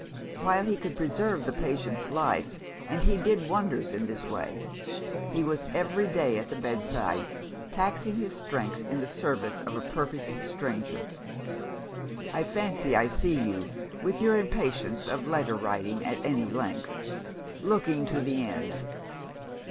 While he could preserve the patient's life and he did wonders, in this way he was every day at the bedside, taxing his strength in the service of a perfect stranger. I fancy I see you (with your impatience of letter writing at any length) looking to the end.